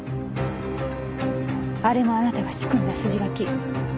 あれもあなたが仕組んだ筋書き。